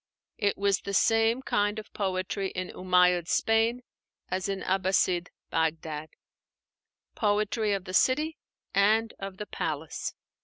It was the same kind of poetry in Umáyyid Spain as in Abbasside Bagdad: poetry of the city and of the palace.